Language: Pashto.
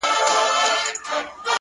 میاشته کېږي بې هویته؛ بې فرهنګ یم؛